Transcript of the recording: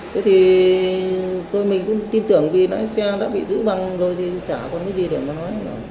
thế thì tôi mình cũng tin tưởng vì lái xe đã bị giữ bằng rồi thì trả còn cái gì để mà nói